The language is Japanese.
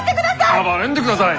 暴れんでください！